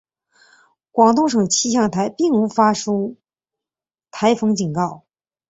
广东省气象台并无发出台风警告。